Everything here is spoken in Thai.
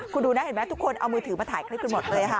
คุณดูนะเห็นไหมทุกคนเอามือถือมาถ่ายคลิปกันหมดเลยค่ะ